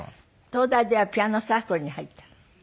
東大ではピアノサークルに入った。